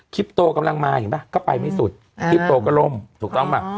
คิปโตกำลังมาคิปโตก็ล้มถูกต้องไหม